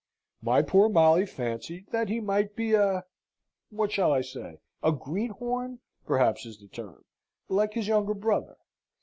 My poor Molly fancied that he might be a what shall I say? a greenhorn perhaps is the term like his younger brother.